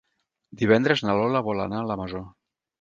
Divendres na Lola vol anar a la Masó.